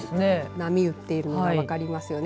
波打っているのが分かりますよね。